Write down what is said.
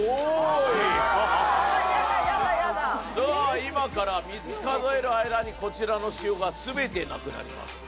今から３つ数える間にこちらの塩が全てなくなります。